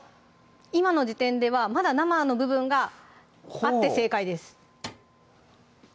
今の時点ではまだ生の部分があって正解です